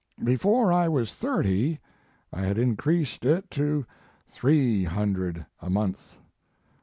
Before I was thirty I had increased it to three hundred a month.